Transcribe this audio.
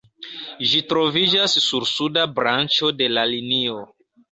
Ĝi troviĝas sur suda branĉo de la linio.